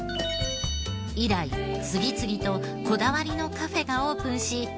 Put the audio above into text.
以来次々とこだわりのカフェがオープンし